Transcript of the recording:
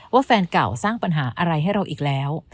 แฟนเก่าสร้างปัญหาอะไรให้เราอีกแล้ว